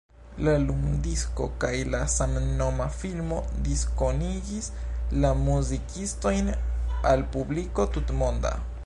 La lumdisko kaj la samnoma filmo diskonigis la muzikistojn al publiko tutmonda.